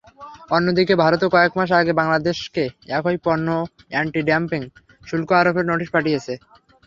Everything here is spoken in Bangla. অন্যদিকে ভারতও কয়েক মাস আগে বাংলাদেশকে একই পণ্যে অ্যান্টি-ডাম্পিং শুল্ক আরোপের নোটিশ পাঠিয়েছে।